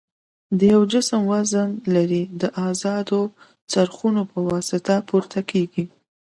د یو جسم وزن لري د ازادو څرخونو په واسطه پورته کیږي.